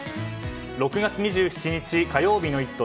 ６月２７日、火曜日の「イット！」